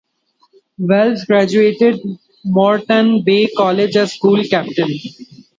Wells graduated Moreton Bay College as school captain.